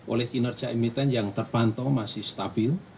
oleh kinerja emiten yang terpantau masih stabil